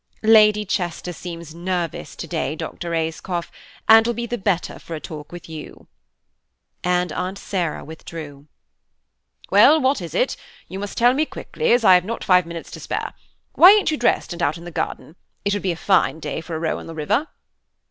Lady Chester seems nervous to day, Dr. Ayscough, and will be the better for a talk with you," and Aunt Sarah withdrew. "Well, what is it? You must tell me quickly, as I have not five minutes to spare. Why ain't you dressed and out in the garden? It would be a fine day for a row on the river."